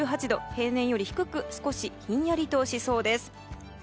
平年より低く少しひんやりとしそうです。